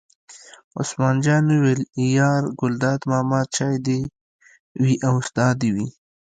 عثمان جان وویل: یار ګلداد ماما چای دې وي او ستا دې وي.